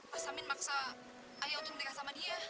pak samin maksa ayah untuk menerima kasaman dia